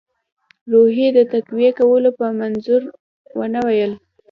روحیې د تقویه کولو په منظور ونه ویل.